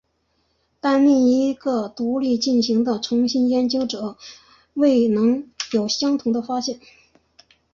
但另一个独立进行的重新研究则未能有相同的发现。